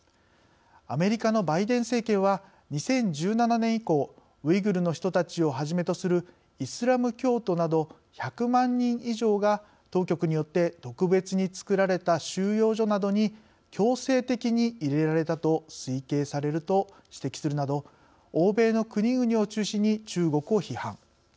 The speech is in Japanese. アメリカのバイデン政権は２０１７年以降ウイグルの人たちをはじめとするイスラム教徒など１００万人以上が当局によって特別につくられた収容所などに強制的に入れられたと推計されると指摘するなど欧米の国々を中心に中国を批判。